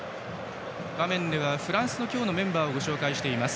画面ではフランスのメンバーをご紹介しています。